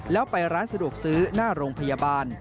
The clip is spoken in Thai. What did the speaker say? แล้วไปร้านสะดวกซื้อหน้าโรงพยาบาล